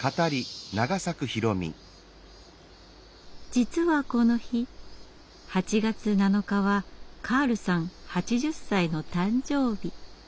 実はこの日８月７日はカールさん８０歳の誕生日。